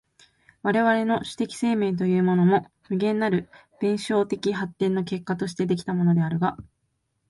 我々の種的生命というものも、無限なる弁証法的発展の結果として出来たものであるが、